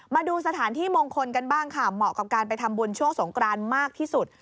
มาดูสถานที่มงคลกันบ้างค่ะเหมาะกับการไปทำบุญช่วงสงกรานมากที่สุด